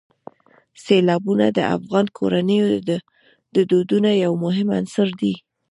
سیلابونه د افغان کورنیو د دودونو یو مهم عنصر دی.